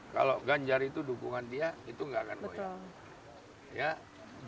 kalau ganjar itu dukungan dia itu nggak akan goyang